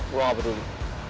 gue gak peduli